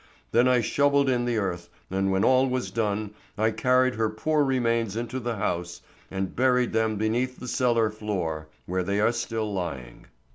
Then I shovelled in the earth, and when all was done, I carried her poor remains into the house and buried them beneath the cellar floor, where they are still lying.